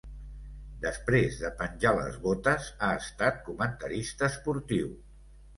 Després de penjar les botes, ha estat comentarista esportiu.